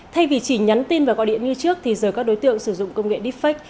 thay vì chỉ nhắn tin và gọi điện như trước thì giờ các đối tượng sử dụng công nghệ deepfake